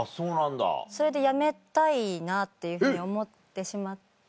それで辞めたいなっていうふうに思ってしまって。